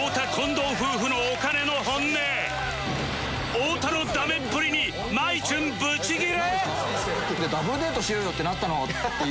太田のダメっぷりにまいちゅんブチギレ！？